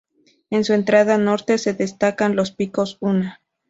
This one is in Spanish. En su entrada norte se destacan los Picos Una.